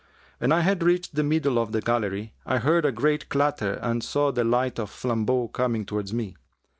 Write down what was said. When I had reached the middle of the gallery, I heard a great clatter and saw the light of flambeaux coming towards me.